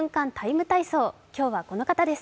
体操」、今日はこの方です。